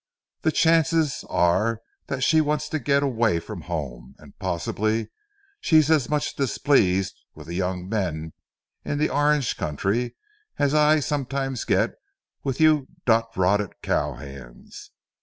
The chances are that she wants to get away from home, and possibly she's as much displeased with the young men in the orange country as I sometimes get with you dodrotted cow hands.